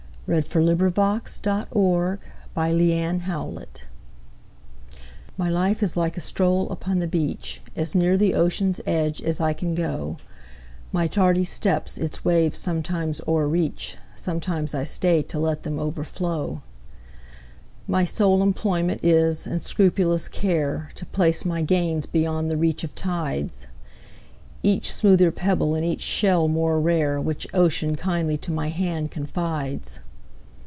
By Henry DavidThoreau 301 The Fisher's Boy MY life is like a stroll upon the beach, As near the ocean's edge as I can go; My tardy steps its waves sometimes o'erreach, Sometimes I stay to let them overflow.My sole employment is, and scrupulous care, To place my gains beyond the reach of tides,—Each smoother pebble, and each shell more rare, Which Ocean kindly to my hand confides.